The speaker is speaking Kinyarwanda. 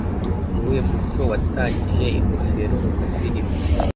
Ni uwuhe muco watangije ingofero na firime